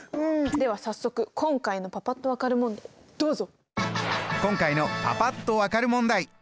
では早速今回のパパっと分かる問題どうぞ。